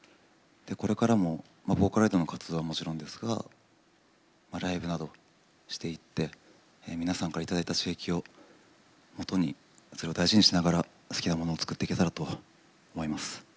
これからもボーカロイドの活動ももちろんですがライブなどしていって皆さんからいただいた刺激をもとにそれを大事にしながら好きなものを作っていければと思います。